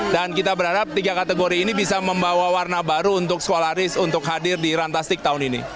dan kita berharap tiga kategori ini bisa membawa warna baru untuk sekolaris untuk hadir di runtastic tahun ini